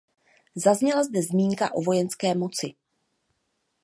Zazněla zde zmínka o vojenské moci.